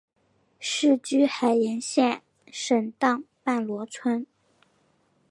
世居海盐县沈荡半逻村。